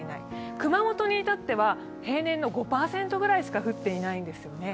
熊本に至っては平年の５％ぐらいしか降っていないんですよね。